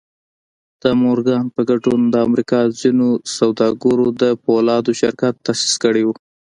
د مورګان په ګډون د امريکا ځينو سوداګرو د پولادو شرکت تاسيس کړی و.